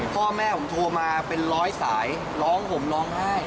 พ่อแม่ผมโทรมาเป็นร้อยสายร้องห่มร้องไห้